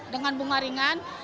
dengan bunga ringan